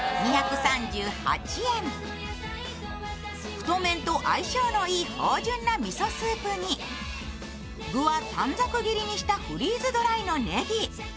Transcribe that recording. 太麺と相性のいい芳じゅんなみそスープに具は短冊切りにしたフリーズドライのねぎ。